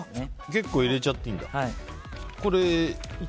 結構、入れちゃっていいんだ。